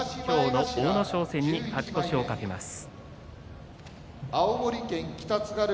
阿武咲戦に勝ち越しを懸けます。